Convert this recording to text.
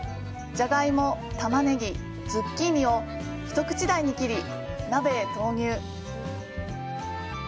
じゃがいも、玉ねぎ、ズッキーニを一口大に切り、鍋へ投入。